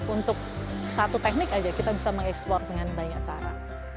untuk satu teknik aja kita bisa mengeksplor dengan banyak cara